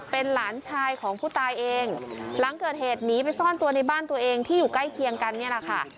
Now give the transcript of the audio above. เป็นหลานชายของผู้ตายเองหลังเกิดเหตุหนีไปซ่อนตัวในบ้านตัวเองที่อยู่ใกล้เคียงกันนี่แหละค่ะ